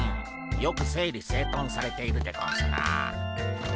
よく整理整頓されているでゴンスな。